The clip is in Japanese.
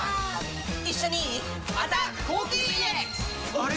あれ？